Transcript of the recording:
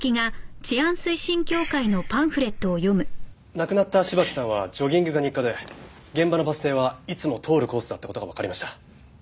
亡くなった芝木さんはジョギングが日課で現場のバス停はいつも通るコースだった事がわかりました。